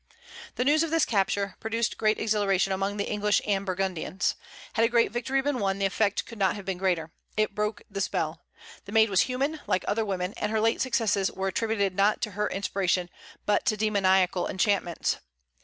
The news of this capture produced great exhilaration among the English and Burgundians. Had a great victory been won, the effect could not have been greater. It broke the spell. The Maid was human, like other women; and her late successes were attributed not to her inspiration, but to demoniacal enchantments.